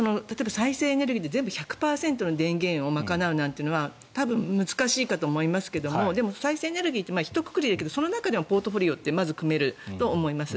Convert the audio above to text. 再生エネルギーで１００％の電源を賄うなんていうのは難しいかと思いますがでも再生エネルギーってひとくくりで言うけどその中でもポートフォリオってまず組めると思います。